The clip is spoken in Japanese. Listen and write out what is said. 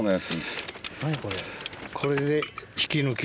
何これ。